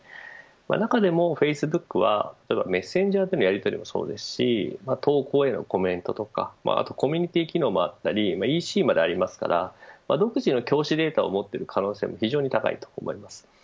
中でも、フェイスブックはメッセンジャーでのやりとりもそうですし投稿へのコメントとかコミュニティー機能もあったりＥＣまでありますから独自の教師データを持っている可能性も非常に高いと思います。